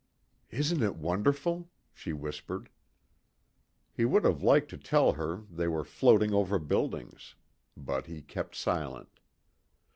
"Isn't it wonderful," she whispered. He would have liked to tell her they were floating over buildings. But he kept silent.